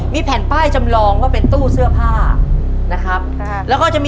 มีแผ่นเป้ายจำลองว่าเป็นตู้เสื้อผ้า